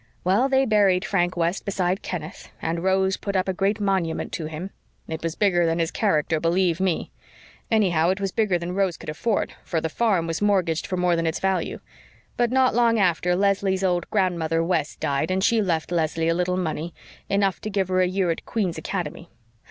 Well, they buried Frank West beside Kenneth, and Rose put up a great big monument to him. It was bigger than his character, believe ME! Anyhow, it was bigger than Rose could afford, for the farm was mortgaged for more than its value. But not long after Leslie's old grandmother West died and she left Leslie a little money enough to give her a year at Queen's Academy.